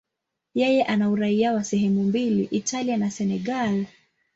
Yeye ana uraia wa sehemu mbili, Italia na Senegal.